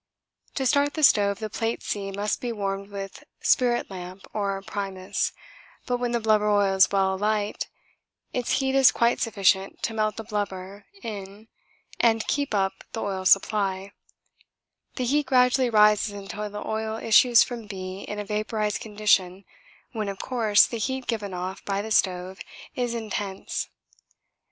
To start the stove the plate C must be warmed with spirit lamp or primus, but when the blubber oil is well alight its heat is quite sufficient to melt the blubber in And keep up the oil supply the heat gradually rises until the oil issues from B in a vaporised condition, when, of course, the heat given off by the stove is intense.